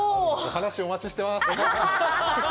お話、お待ちしております。